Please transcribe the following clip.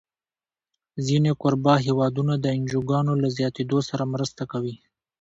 ځینې کوربه هېوادونه د انجوګانو له زیاتېدو سره مرسته کوي.